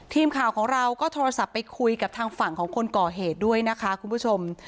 ทีมข่าวของเราก็โทรศัพท์ไปคุยกับทางฝั่งของคนก่อเหตุด้วยนะคะคุณผู้ชม